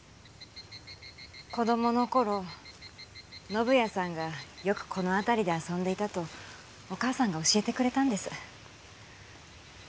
子供の頃宣也さんがよくこの辺りで遊んでいたとお義母さんが教えてくれたんです。